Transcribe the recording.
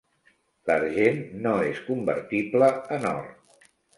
L'argent no és convertible en or.